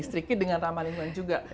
jadi dengan ramah lingkungan juga